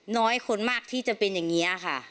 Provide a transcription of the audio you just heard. น้อยคนมากที่จะเป็นอย่างนี้ค่ะ